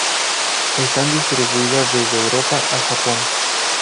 Están distribuidas desde Europa a Japón.